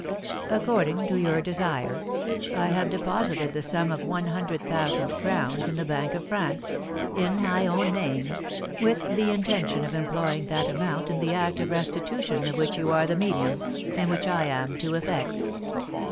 According to your desire, I have deposited the sum of one hundred thousand crowns in the Bank of France, in my own name, with the intention of employing that amount in the act of restitution of which you are the medium, and which I am to effect.